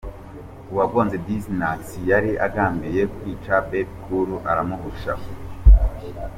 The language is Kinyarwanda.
Uwagonze Dizzy Nutts yari agambiriye kwica Bebe Cool aramuhusha.